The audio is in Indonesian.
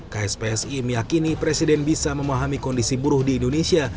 kspsi meyakini presiden bisa memahami kondisi buruh di indonesia